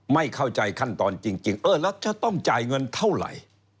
ไม่เข้าใจขั้นตอนจริงเออแล้วจะต้องจ่ายเงินเท่าไหร่